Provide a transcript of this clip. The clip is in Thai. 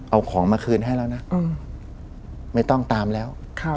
เอาของมาคืนให้แล้วนะไม่ต้องตามแล้ว